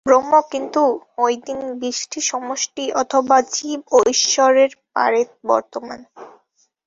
ব্রহ্ম কিন্তু ঐ ব্যষ্টি-সমষ্টির অথবা জীব ও ঈশ্বরের পারে বর্তমান।